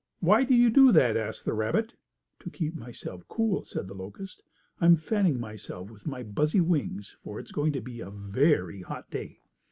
"Why do you do that?" asked the rabbit. "To keep myself cool," said the locust. "I am fanning myself with my buzzy wings for it is going to be a very hot day."